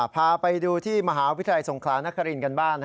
พาไปดูที่มหาวิทยาลัยสงครานครินกันบ้าง